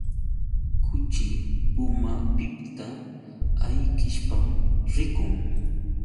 Kuchi pumapiqta ayqishpam rikun.